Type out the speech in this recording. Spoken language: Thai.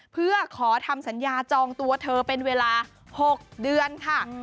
เพื่อขอทำสัญญาจองตัวเธอเป็นเวลา๖เดือนค่ะ